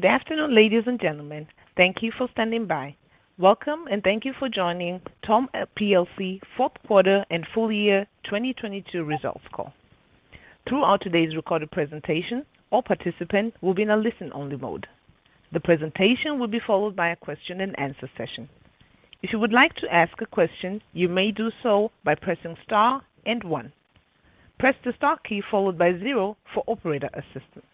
Good afternoon, ladies and gentlemen. Thank you for standing by. Welcome and thank you for joining TORM plc fourth quarter and full year 2022 results call. Throughout today's recorded presentation, all participant will be in a listen-only mode. The presentation will be followed by a question-and-answer session. If you would like to ask a question, you may do so by pressing star one. Press the star key followed by zero for operator assistance.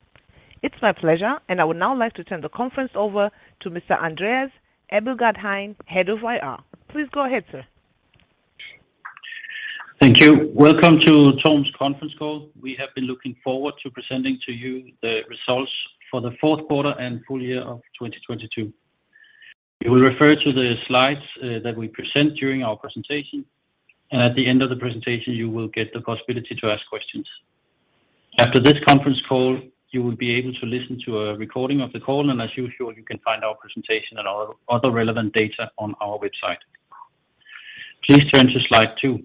It's my pleasure. I would now like to turn the conference over to Mr. Andreas Abildgaard Hein, Head of IR. Please go ahead, sir. Thank you. Welcome to TORM's conference call. We have been looking forward to presenting to you the results for the fourth quarter and full year of 2022. We will refer to the slides that we present during our presentation, and at the end of the presentation, you will get the possibility to ask questions. After this conference call, you will be able to listen to a recording of the call, and as usual, you can find our presentation and other relevant data on our website. Please turn to slide two.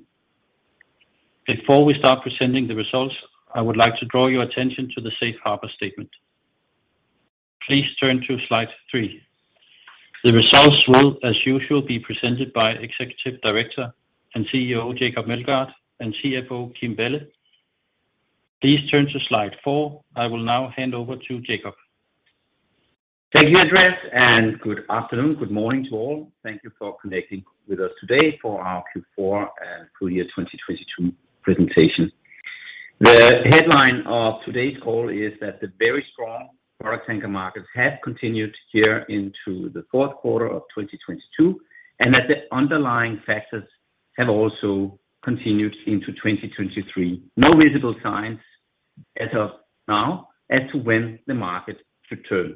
Before we start presenting the results, I would like to draw your attention to the Safe Harbor statement. Please turn to slide three. The results will, as usual, be presented by Executive Director and CEO Jacob Meldgaard and CFO Kim Balle. Please turn to slide four. I will now hand over to Jacob. Thank you, Andreas. Good afternoon. Good morning to all. Thank you for connecting with us today for our Q4 and full year 2022 presentation. The headline of today's call is that the very strong product tanker markets have continued here into the fourth quarter of 2022, that the underlying factors have also continued into 2023. No visible signs as of now as to when the market should turn.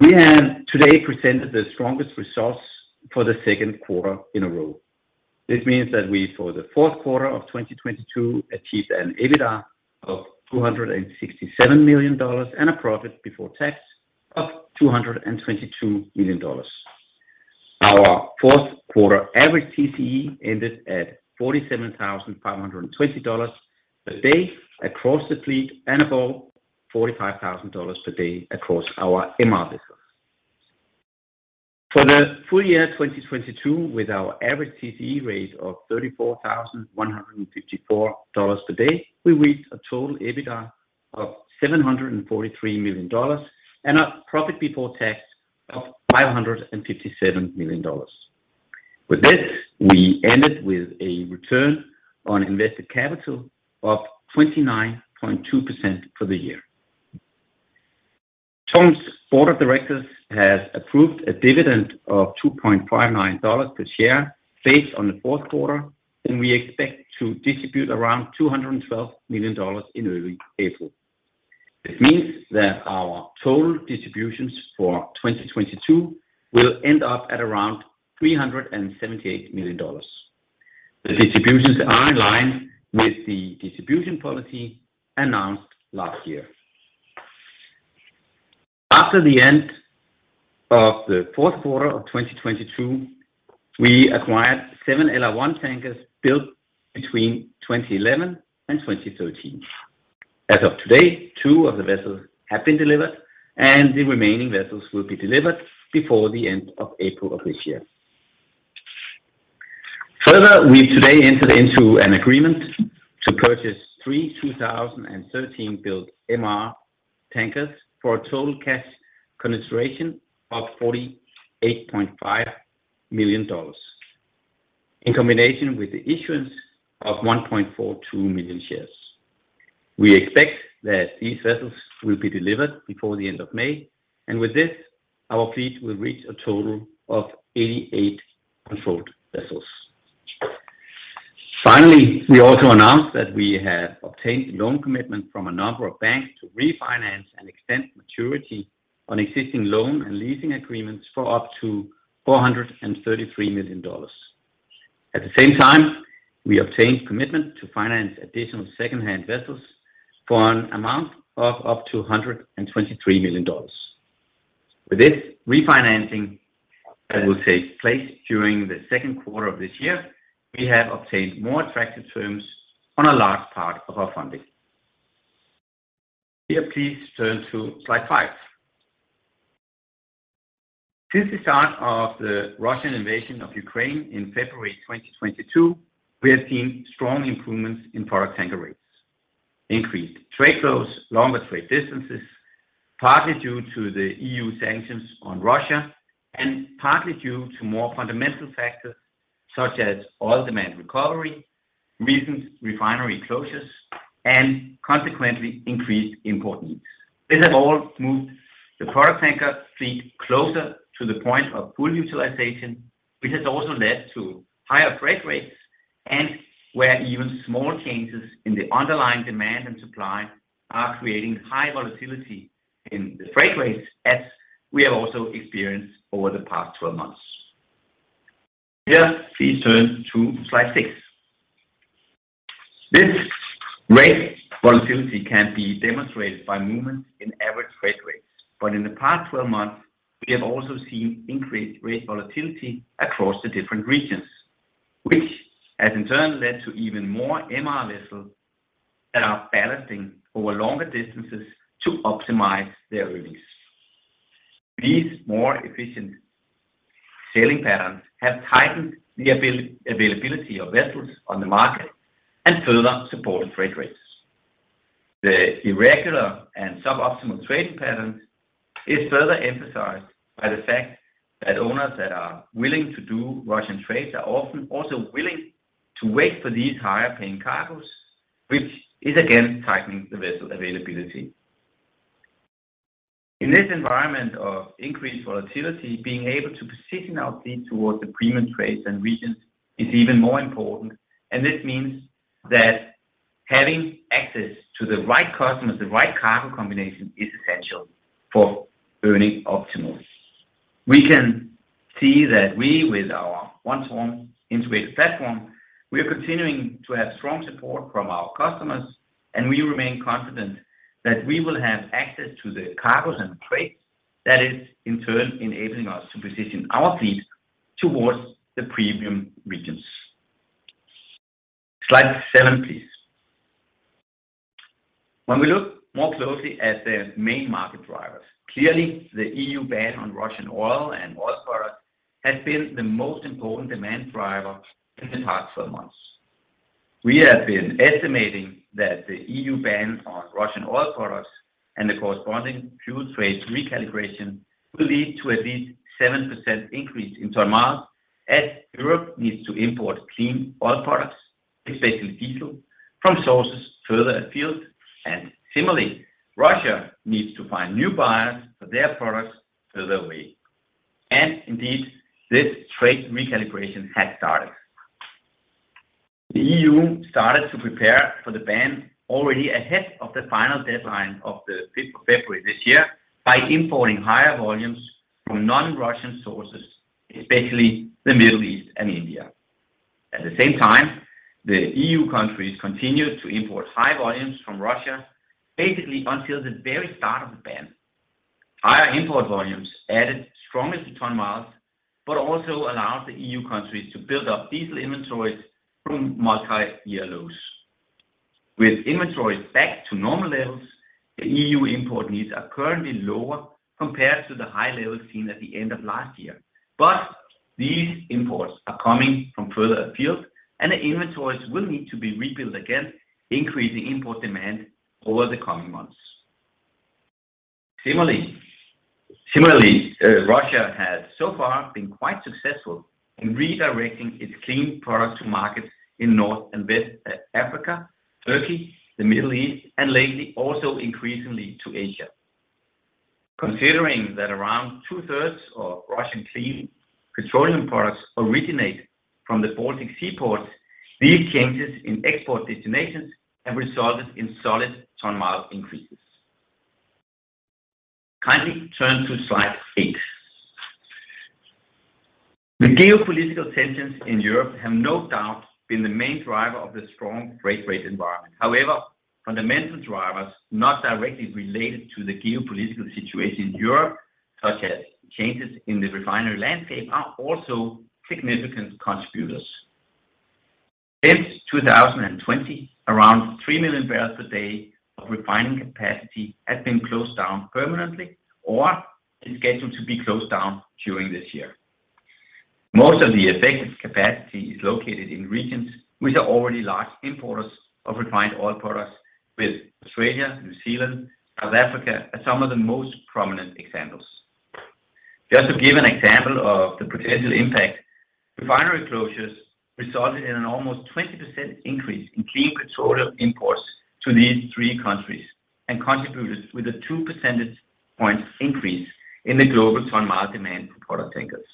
We have today presented the strongest results for the second quarter in a row. This means that we, for the fourth quarter of 2022, achieved an EBITDA of $267 million and a profit before tax of $222 million. Our fourth quarter average TCE ended at $47,520 a day across the fleet and above $45,000 per day across our MR vessels. For the full year 2022, with our average TCE rate of $34,154 per day, we reached a total EBITDA of $743 million and a profit before tax of $557 million. With this, we ended with a return on invested capital of 29.2% for the year. TORM's board of directors has approved a dividend of $2.59 per share based on the fourth quarter, and we expect to distribute around $212 million in early April. This means that our total distributions for 2022 will end up at around $378 million. The distributions are in line with the distribution policy announced last year. After the end of the fourth quarter of 2022, we acquired seven LR1 tankers built between 2011 and 2013. As of today, 2 of the vessels have been delivered, and the remaining vessels will be delivered before the end of April of this year. We today entered into an agreement to purchase 3 2013 built MR tankers for a total cash consideration of $48.5 million in combination with the issuance of 1.42 million shares. We expect that these vessels will be delivered before the end of May, and with this, our fleet will reach a total of 88 controlled vessels. We also announced that we have obtained a loan commitment from a number of banks to refinance and extend maturity on existing loan and leasing agreements for up to $433 million. At the same time, we obtained commitment to finance additional second-hand vessels for an amount of up to $123 million. With this refinancing that will take place during the second quarter of this year, we have obtained more attractive terms on a large part of our funding. Here, please turn to slide five. Since the start of the Russian invasion of Ukraine in February 2022, we have seen strong improvements in product tanker rates. Increased trade flows, longer trade distances, partly due to the EU sanctions on Russia, and partly due to more fundamental factors such as oil demand recovery, recent refinery closures and consequently increased import needs. These have all moved the product tanker fleet closer to the point of full utilization, which has also led to higher freight rates and where even small changes in the underlying demand and supply are creating high volatility in the freight rates as we have also experienced over the past 12 months. Here, please turn to slide six. This rate volatility can be demonstrated by movement in average freight rates. In the past 12 months, we have also seen increased rate volatility across the different regions, which has in turn led to even more MR vessels that are ballasting over longer distances to optimize their earnings. These more efficient sailing patterns have tightened the availability of vessels on the market and further support freight rates. The irregular and suboptimal trading patterns is further emphasized by the fact that owners that are willing to do Russian trades are often also willing to wait for these higher paying cargoes, which is again tightening the vessel availability. In this environment of increased volatility, being able to position our fleet towards the premium trades and regions is even more important, and this means that having access to the right customers, the right cargo combination is essential for earning optimally. We can see that we with our One TORM integrated platform, we are continuing to have strong support from our customers and we remain confident that we will have access to the cargoes and trades that is in turn enabling us to position our fleet towards the premium regions. Slide seven, please. When we look more closely at the main market drivers, clearly the EU ban on Russian oil and oil products has been the most important demand driver in the past 12 months. We have been estimating that the EU ban on Russian oil products and the corresponding fuel trades recalibration will lead to at least 7% increase in ton miles, as Europe needs to import clean oil products, especially diesel, from sources further afield, and similarly, Russia needs to find new buyers for their products further away. Indeed, this trade recalibration has started. The EU started to prepare for the ban already ahead of the final deadline of the 5th of February this year by importing higher volumes from non-Russian sources, especially the Middle East and India. At the same time, the EU countries continued to import high volumes from Russia, basically until the very start of the ban. Higher import volumes added strongly to ton miles, but also allowed the EU countries to build up diesel inventories from multi-year lows. With inventories back to normal levels, the EU import needs are currently lower compared to the high levels seen at the end of last year. These imports are coming from further afield and the inventories will need to be rebuilt again, increasing import demand over the coming months. Similarly, Russia has so far been quite successful in redirecting its clean products to markets in North and West Africa, Turkey, the Middle East and lately also increasingly to Asia. Considering that around two thirds of Russian clean petroleum products originate from the Baltic Sea ports, these changes in export destinations have resulted in solid ton mile increases. Kindly turn to slide eight. The geopolitical tensions in Europe have no doubt been the main driver of the strong rate raise environment. However, fundamental drivers, not directly related to the geopolitical situation in Europe, such as changes in the refinery landscape, are also significant contributors. Since 2020, around 3 million barrels per day of refining capacity has been closed down permanently or is scheduled to be closed down during this year. Most of the affected capacity is located in regions which are already large importers of refined oil products with Australia, New Zealand, South Africa are some of the most prominent examples. To give an example of the potential impact, refinery closures resulted in an almost 20% increase in clean petroleum imports to these three countries and contributed with a two percentage point increase in the global ton mile demand for product tankers.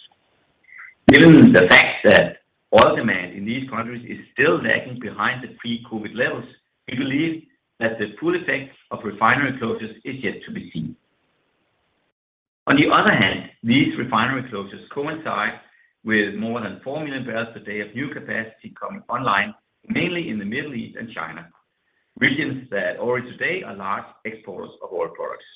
Given the fact that oil demand in these countries is still lagging behind the pre-COVID levels, we believe that the full effect of refinery closures is yet to be seen. On the other hand, these refinery closures coincide with more than 4 million barrels per day of new capacity coming online, mainly in the Middle East and China, regions that already today are large exporters of oil products.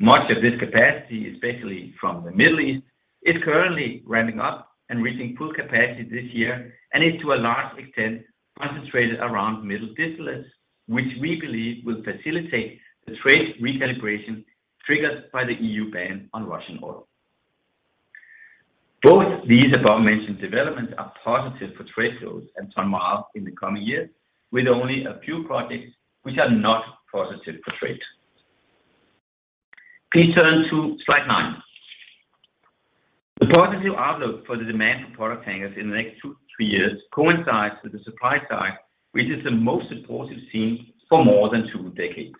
Much of this capacity, especially from the Middle East, is currently ramping up and reaching full capacity this year and is to a large extent concentrated around middle distillates, which we believe will facilitate the trade recalibration triggered by the EU ban on Russian oil. Both these above-mentioned developments are positive for trade flows and ton mile in the coming years, with only a few projects which are not positive for trade. Please turn to slide nine. The positive outlook for the demand for product tankers in the next two to three years coincides with the supply side, which is the most supportive seen for more than two decades.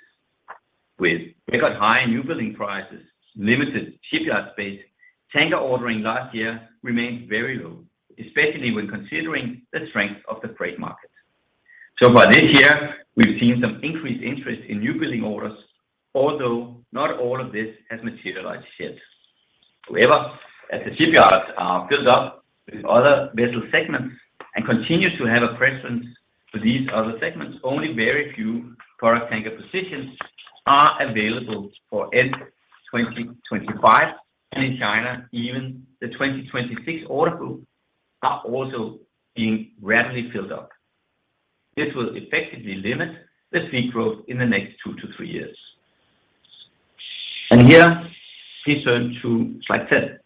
With record high new building prices, limited shipyard space, tanker ordering last year remained very low, especially when considering the strength of the freight market. Far this year, we've seen some increased interest in new building orders, although not all of this has materialized yet. However, as the shipyards are filled up with other vessel segments and continue to have a presence for these other segments, only very few product tanker positions are available for end 2025, and in China, even the 2026 order book are also being rapidly filled up. This will effectively limit the fleet growth in the next 2 to 3 years. Here, please turn to slide 10.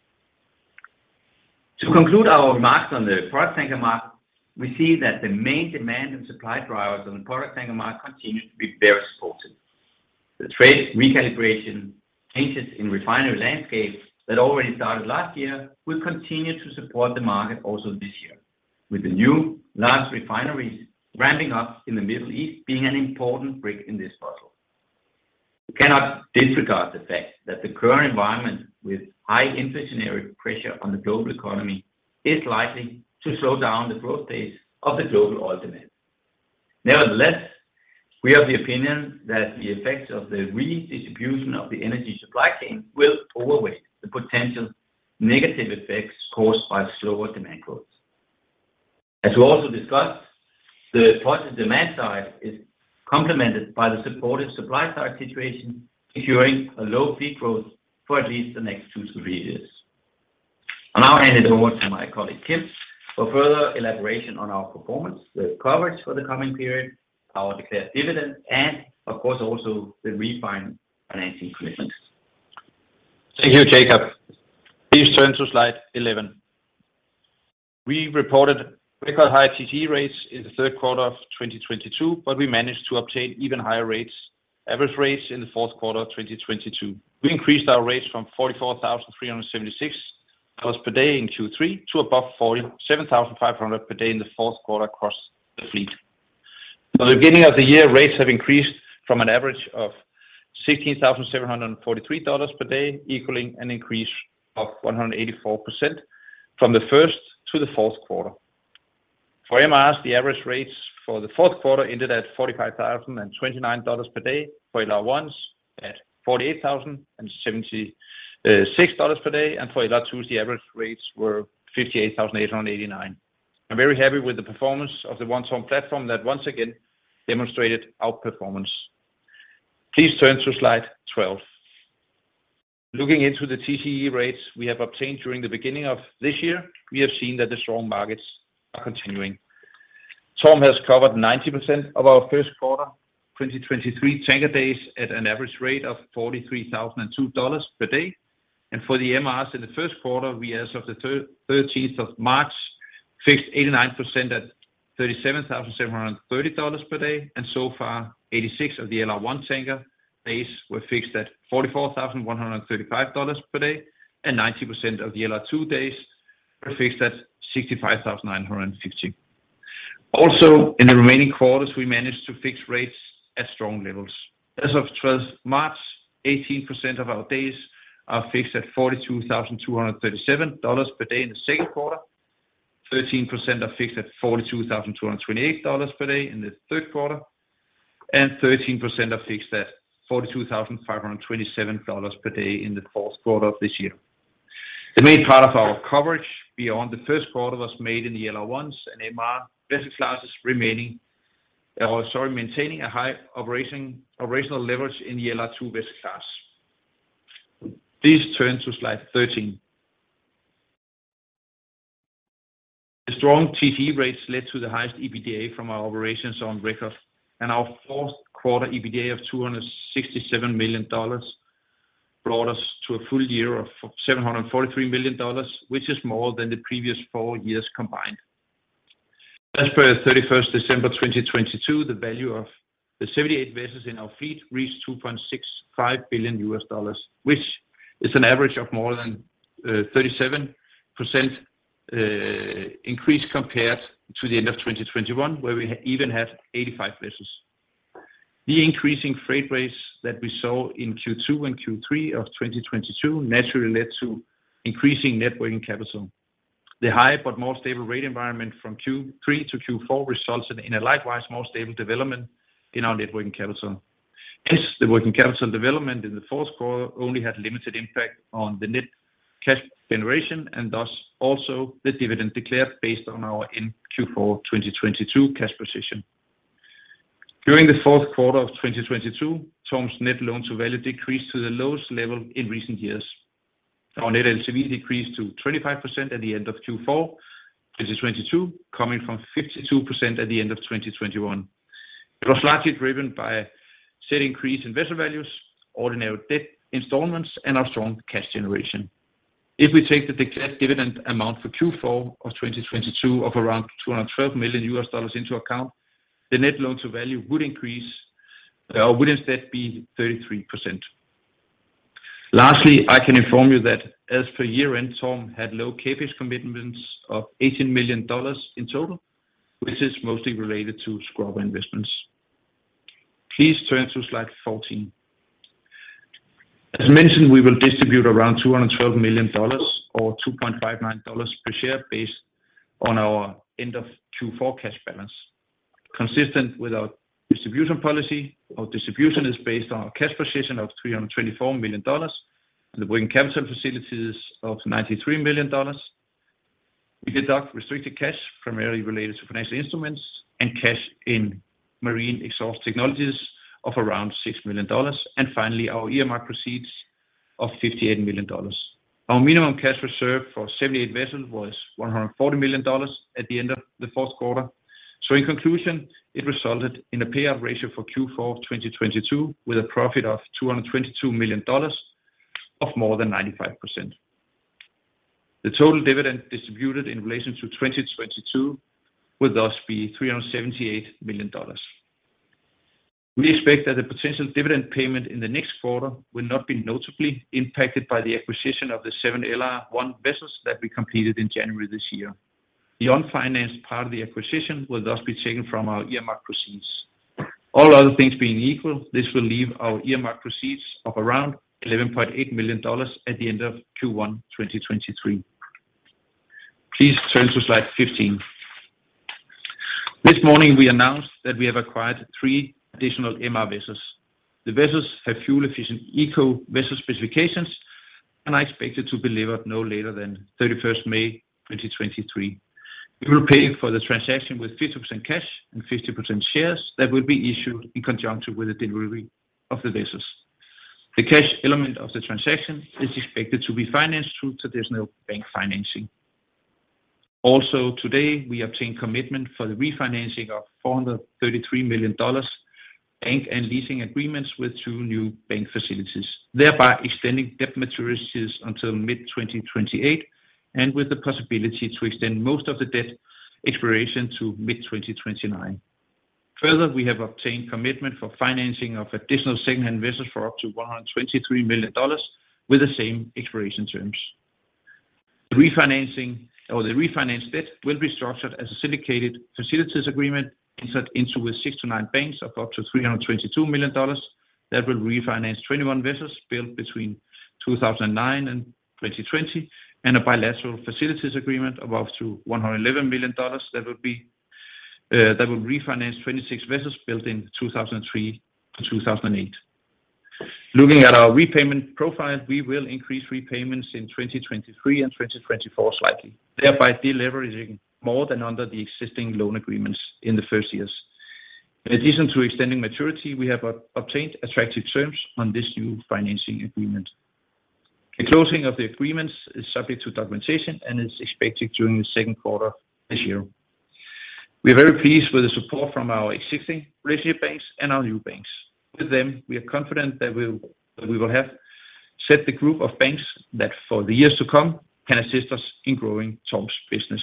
To conclude our remarks on the product tanker market, we see that the main demand and supply drivers on the product tanker market continue to be very supportive. The trade recalibration changes in refinery landscape that already started last year will continue to support the market also this year, with the new large refineries ramping up in the Middle East being an important brick in this puzzle. We cannot disregard the fact that the current environment with high inflationary pressure on the global economy is likely to slow down the growth pace of the global oil demand. Nevertheless, we have the opinion that the effects of the redistribution of the energy supply chain will overweight the potential negative effects caused by slower demand growth. As we also discussed, the positive demand side is complemented by the supportive supply side situation, ensuring a low fleet growth for at least the next 2 to 3 years. I'll now hand it over to my colleague, Kim, for further elaboration on our performance, the coverage for the coming period, our declared dividend, and of course, also the refi financing commitments. Thank you, Jacob. Please turn to slide 11. We reported record high TCE rates in the third quarter of 2022. We managed to obtain even higher rates, average rates in the fourth quarter of 2022. We increased our rates from $44,376 per day in Q3 to above $47,500 per day in the fourth quarter across the fleet. From the beginning of the year, rates have increased from an average of $16,743 per day, equaling an increase of 184% from the first to the fourth quarter. For MRs, the average rates for the fourth quarter ended at $45,029 per day. For LR1s at $48,076 per day. For LR2s, the average rates were $58,889. I'm very happy with the performance of the One TORM platform that once again demonstrated outperformance. Please turn to slide 12. Looking into the TCE rates we have obtained during the beginning of this year, we have seen that the strong markets are continuing. TORM has covered 90% of our first quarter 2023 tanker days at an average rate of $43,002 per day. For the MRs in the first quarter, we as of the 13th of March, fixed 89% at $37,730 per day, and so far 86 of the LR1 tanker days were fixed at $44,135 per day, and 90% of the LR2 days were fixed at $65,960. Also, in the remaining quarters, we managed to fix rates at strong levels. As of 12th March, 18% of our days are fixed at $42,237 per day in the second quarter, 13% are fixed at $42,228 per day in the third quarter. Thirteen percent are fixed at $42,527 per day in the fourth quarter of this year. The main part of our coverage beyond the first quarter was made in the LR1s and MR vessel classes remaining. Sorry, maintaining a high operating, operational leverage in the LR2 vessel class. Please turn to slide 13. The strong TCE rates led to the highest EBITDA from our operations on record, and our fourth quarter EBITDA of $267 million brought us to a full year of $743 million, which is more than the previous four years combined. As per December 31, 2022, the value of the 78 vessels in our fleet reached $2.65 billion, which is an average of more than 37% increase compared to the end of 2021, where we even had 85 vessels. The increasing freight rates that we saw in Q2 and Q3 of 2022 naturally led to increasing net working capital. The high but more stable rate environment from Q3 to Q4 resulted in a likewise more stable development in our net working capital. The working capital development in the fourth quarter only had limited impact on the net cash generation, and thus also the dividend declared based on our end Q4 2022 cash position. During the fourth quarter of 2022, TORM's net loan-to-value decreased to the lowest level in recent years. Our net LTV decreased to 25% at the end of Q4 2022, coming from 52% at the end of 2021. It was largely driven by said increase in vessel values, ordinary debt installments, and our strong cash generation. If we take the declared dividend amount for Q4 of 2022 of around $212 million into account, the net loan-to-value would instead be 33%. Lastly, I can inform you that as per year-end, TORM had low CapEx commitments of $18 million in total, which is mostly related to scrubber investments. Please turn to slide 14. As mentioned, we will distribute around $212 million or $2.59 per share based on our end of Q4 cash balance. Consistent with our distribution policy, our distribution is based on our cash position of $324 million and the working capital facilities of $93 million. We deduct restricted cash primarily related to financial instruments and cash in Marine Exhaust of around $6 million. Finally, our earmark proceeds of $58 million. Our minimum cash reserve for 78 vessels was $140 million at the end of the fourth quarter. In conclusion, it resulted in a payout ratio for Q4 2022 with a profit of $222 million of more than 95%. The total dividend distributed in relation to 2022 will thus be $378 million. We expect that the potential dividend payment in the next quarter will not be notably impacted by the acquisition of the 7 LR1 vessels that we completed in January this year. The unfinanced part of the acquisition will thus be taken from our earmarked proceeds. All other things being equal, this will leave our earmarked proceeds of around $11.8 million at the end of Q1 2023. Please turn to slide 15. This morning, we announced that we have acquired 3 additional MR vessels. The vessels have fuel-efficient ECO vessel specifications, and are expected to be delivered no later than 31st May 2023. We will pay for the transaction with 50% cash and 50% shares that will be issued in conjunction with the delivery of the vessels. The cash element of the transaction is expected to be financed through traditional bank financing. Today, we obtained commitment for the refinancing of $433 million bank and leasing agreements with two new bank facilities, thereby extending debt maturities until mid-2028, with the possibility to extend most of the debt expiration to mid-2029. We have obtained commitment for financing of additional secondhand vessels for up to $123 million with the same expiration terms. The refinanced debt will be structured as a syndicated facilities agreement insert into with 6-9 banks of up to $322 million. That will refinance 21 vessels built between 2009 and 2020, and a bilateral facilities agreement of up to $111 million that would refinance 26 vessels built in 2003 to 2008. Looking at our repayment profile, we will increase repayments in 2023 and 2024 slightly, thereby deleveraging more than under the existing loan agreements in the first years. In addition to extending maturity, we have obtained attractive terms on this new financing agreement. The closing of the agreements is subject to documentation and is expected during the second quarter this year. We are very pleased with the support from our existing relationship banks and our new banks. With them, we are confident that we will have set the group of banks that for the years to come can assist us in growing TORM's business.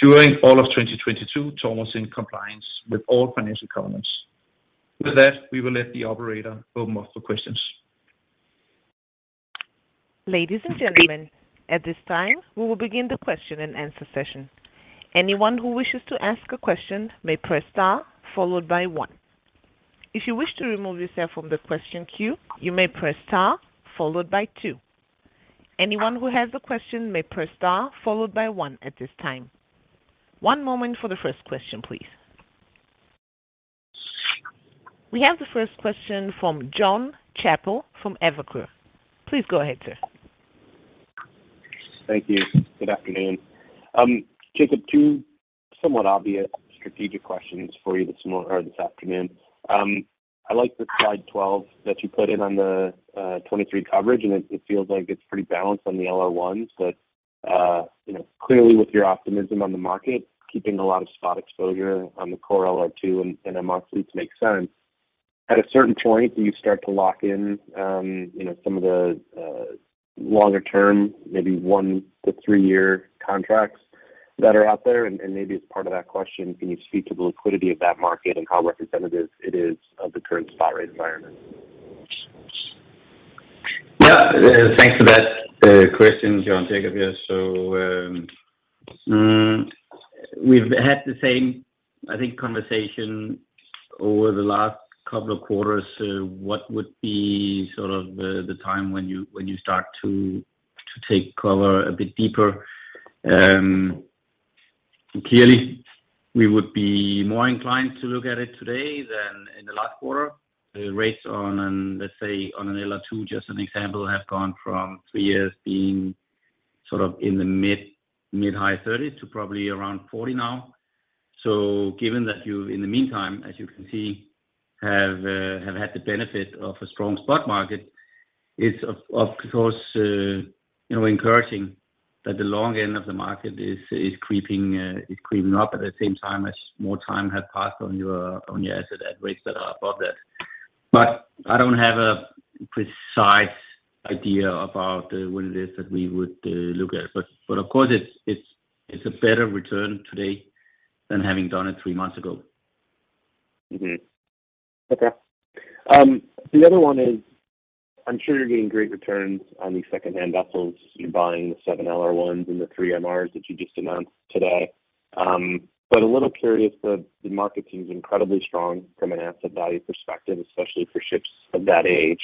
During all of 2022, TORM was in compliance with all financial covenants. With that, we will let the operator open us for questions. Ladies and gentlemen, at this time, we will begin the question and answer session. Anyone who wishes to ask a question may press star followed by one. If you wish to remove yourself from the question queue, you may press star followed by two. Anyone who has a question may press star followed by one at this time. One moment for the first question, please. We have the first question from Jonathan Chappell from Evercore. Please go ahead, sir. Thank you. Good afternoon. Jacob, two somewhat obvious strategic questions for you this afternoon. I like the slide 12 that you put in on the 2023 coverage, and it feels like it's pretty balanced on the LR1. You know, clearly with your optimism on the market, keeping a lot of spot exposure on the core LR2 and MR fleets makes sense. At a certain point, do you start to lock in, you know, some of the longer term, maybe one to three year contracts that are out there? Maybe as part of that question, can you speak to the liquidity of that market and how representative it is of the current spot rate environment? Thanks for that question, John. Jacob here. We've had the same, I think, conversation over the last couple of quarters. What would be sort of the time when you start to take cover a bit deeper? Clearly we would be more inclined to look at it today than in the last quarter. The rates on an, let's say, on an LR2, just an example, have gone from 3 years being sort of in the mid-high 30s to probably around 40 now. Given that you, in the meantime, as you can see, have had the benefit of a strong spot market, it's of course, you know, encouraging that the long end of the market is creeping up at the same time as more time has passed on your asset at rates that are above that. I don't have a precise idea about what it is that we would look at. Of course it's a better return today than having done it three months ago. Okay. The other one is, I'm sure you're getting great returns on these secondhand vessels. You're buying the seven LR1s and the 3 MRs that you just announced today. A little curious, the market seems incredibly strong from an asset value perspective, especially for ships of that age.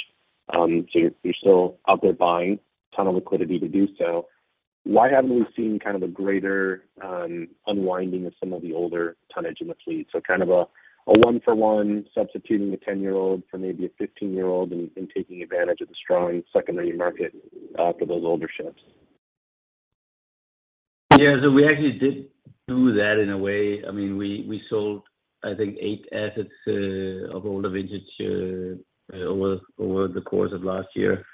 You're, you're still out there buying, ton of liquidity to do so. Why haven't we seen kind of a greater, unwinding of some of the older tonnage in the fleet? Kind of a one for one substituting a 10-year-old for maybe a 15-year-old and taking advantage of the strong secondary market, for those older ships. We actually did do that in a way. I mean, we sold, I think eight assets of older vintage over the course of last year.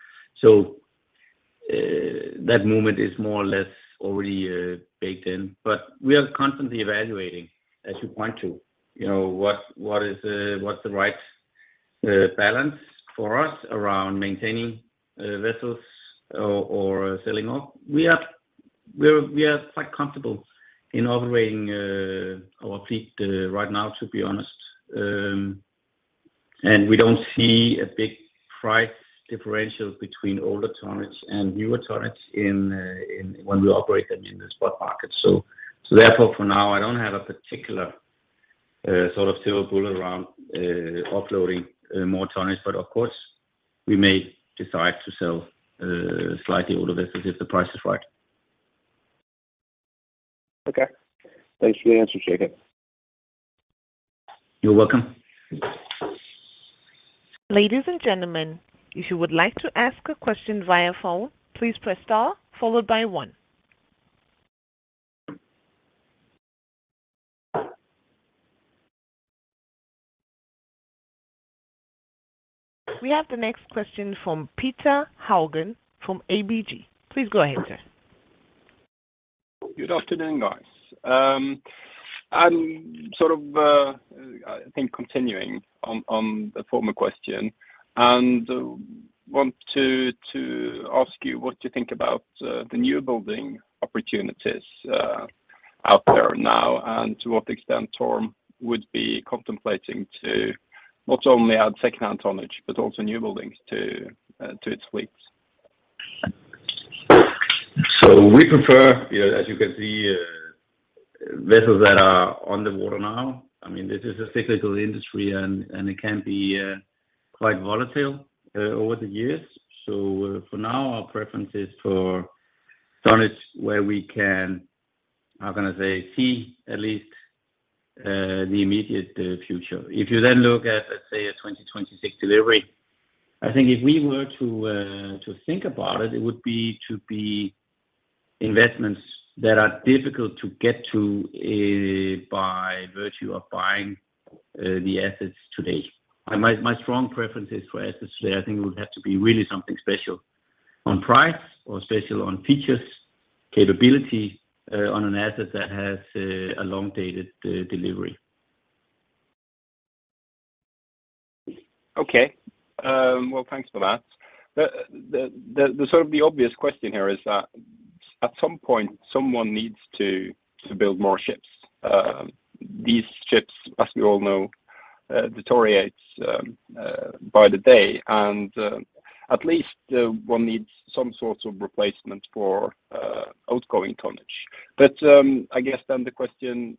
That movement is more or less already baked in. We are constantly evaluating, as you point to, you know, what is what's the right balance for us around maintaining vessels or selling off. We are quite comfortable in operating our fleet right now, to be honest. We don't see a big price differential between older tonnage and newer tonnage when we operate them in the spot market. Therefore, for now, I don't have a particular sort of silver bullet around offloading more tonnage. Of course, we may decide to sell, slightly older vessels if the price is right. Okay. Thanks for the answer, Jacob. You're welcome. Ladies and gentlemen, if you would like to ask a question via phone, please press star followed by 1. We have the next question from Petter Haugen from ABG. Please go ahead, sir. Good afternoon, guys. I'm sort of, I think continuing on the former question, and want to ask you what you think about the new building opportunities out there now, and to what extent TORM would be contemplating to not only add secondhand tonnage, but also new buildings to its fleets. We prefer, you know, as you can see, vessels that are on the water now. I mean, this is a cyclical industry and it can be quite volatile over the years. For now, our preference is for tonnage where we can, how can I say, see at least the immediate future. If you look at, let's say, a 2026 delivery, I think if we were to think about it would be to be investments that are difficult to get to by virtue of buying the assets today. My strong preference is for assets today. I think it would have to be really something special on price or special on features, capability, on an asset that has a long dated delivery. Okay. Well, thanks for that. The sort of the obvious question here is that at some point someone needs to build more ships. These ships, as we all know, deteriorates by the day, and at least one needs some sorts of replacement for outgoing tonnage. I guess then the question,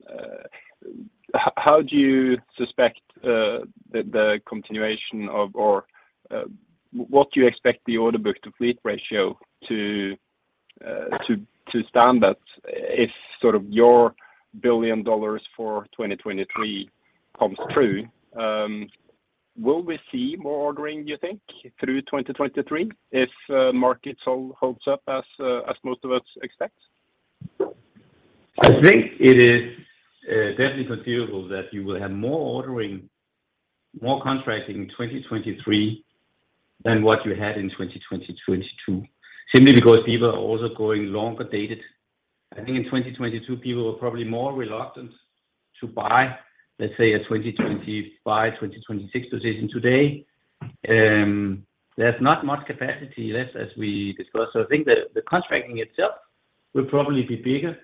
how do you suspect the continuation of or what do you expect the order book to fleet ratio to stand at if sort of your $1 billion for 2023 comes through? Will we see more ordering, do you think, through 2023 if markets all holds up as most of us expect? I think it is definitely feasible that you will have more ordering, more contracting in 2023 than what you had in 2020, 2022. Simply because people are also going longer dated. I think in 2022, people were probably more reluctant to buy, let say, a 2025, 2026 position today. There's not much capacity left as we discussed. I think the contracting itself will probably be bigger.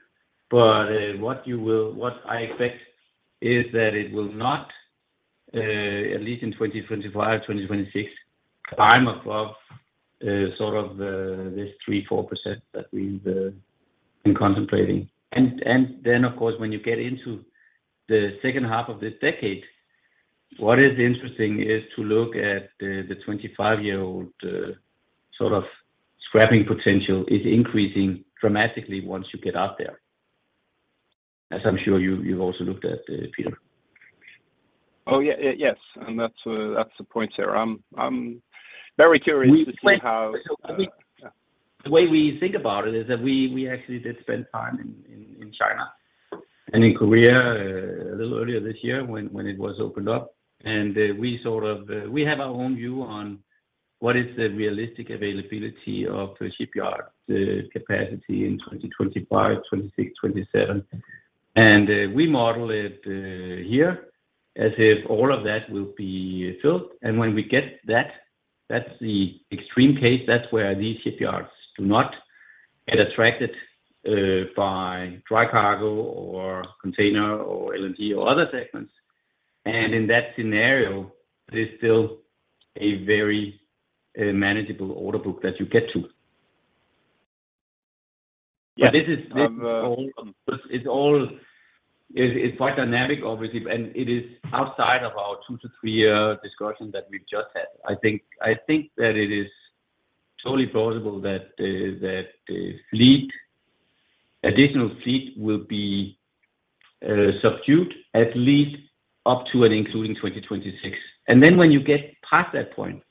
What I expect is that it will not, at least in 2025, 2026, climb above, sort of, this 3%, 4% that we've been contemplating. Of course, when you get into the second half of this decade, what is interesting is to look at the 25-year-old, sort of scrapping potential is increasing dramatically once you get out there. As I'm sure you've also looked at, Petter. Oh, yeah. Yes. That's, that's the point here. I'm very curious to see. The way we think about it is that we actually did spend time in China and in Korea a little earlier this year when it was opened up. We sort of, we have our own view on what is the realistic availability of shipyard capacity in 2025, 2026, 2027. We model it here as if all of that will be filled. When we get that's the extreme case. That's where these shipyards do not get attracted by dry cargo or container or LNG or other segments. In that scenario, there's still a very manageable order book that you get to. Yeah. This is all, it's quite dynamic obviously, and it is outside of our two to three year discussion that we've just had. I think that it is totally plausible that that fleet, additional fleet will be subdued at least up to and including 2026. When you get past that point.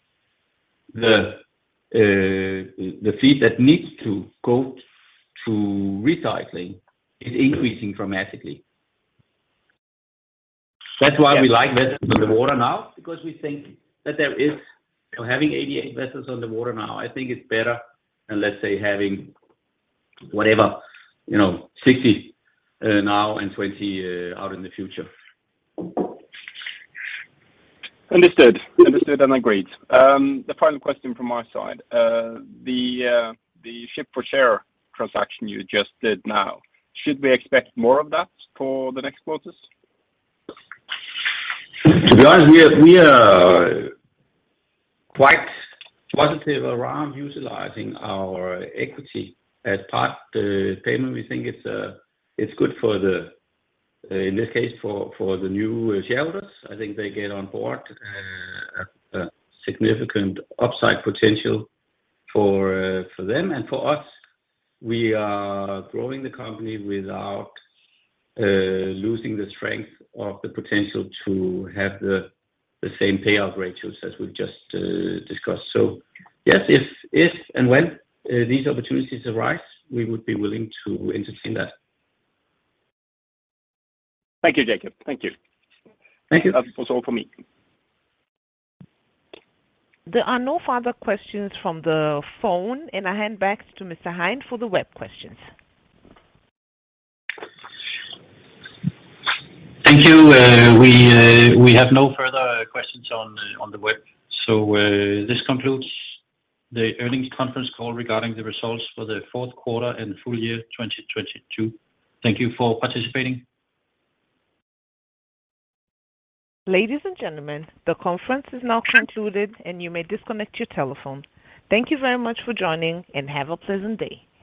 The fleet that needs to go through recycling is increasing dramatically. That's why we like vessels on the water now, because we think that having 88 vessels on the water now, I think it's better than, let's say, having whatever, you know, 60 now and 20 out in the future. Understood. Understood and agreed. The final question from my side. The ship-for-share transaction you just did now, should we expect more of that for the next quarters? Bjørn, we are quite positive around utilizing our equity as part the payment. We think it's good for the, in this case, for the new shareholders. I think they get on board a significant upside potential for for them and for us. We are growing the company without losing the strength of the potential to have the same payout ratios as we've just discussed. Yes, if and when these opportunities arise, we would be willing to entertain that. Thank you, Jacob. Thank you. Thank you. That was all for me. There are no further questions from the phone. I hand back to Mr. Hein for the web questions. Thank you. We have no further questions on the web. This concludes the earnings conference call regarding the results for the fourth quarter and full year 2022. Thank you for participating. Ladies and gentlemen, the conference is now concluded, and you may disconnect your telephone. Thank you very much for joining, and have a pleasant day. Goodbye.